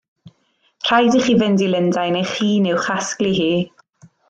Rhaid i chi fynd i Lundain eich hun i'w chasglu hi.